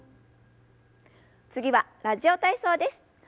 次は「ラジオ体操」です。